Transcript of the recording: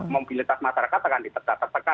mobilitas masyarakat akan ditetap tetapkan